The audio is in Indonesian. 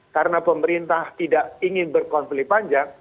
karena pemerintah tidak ingin berkonflik panjang